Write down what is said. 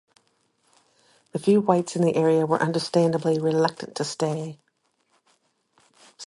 The few whites in the area were understandably reluctant to stay.